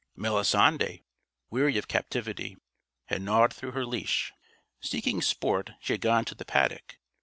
Melisande, weary of captivity, had gnawed through her leash. Seeking sport, she had gone to the paddock.